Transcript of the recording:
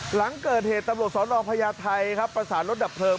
หลังเกิดเหตุตำรวจสนพญาไทยครับประสานรถดับเพลิง